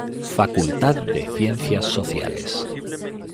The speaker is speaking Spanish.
Facultad de Ciencias Sociales.